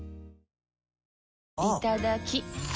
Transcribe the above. いただきっ！